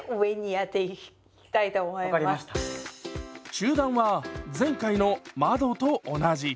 中段は前回の窓と同じ。